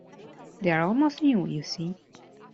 They are almost new, you see.